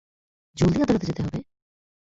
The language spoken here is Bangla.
জলদি আদালতে যেতে হবে?